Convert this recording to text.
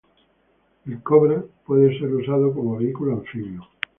El Cobra puede ser usado como vehículo anfibio.